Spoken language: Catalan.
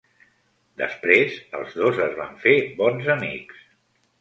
Després, els dos es van fer bons amics.